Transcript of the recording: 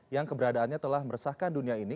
yang keberadaannya telah meresahkan dunia ini